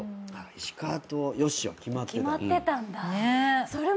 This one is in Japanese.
石川とよっしーは決まってた。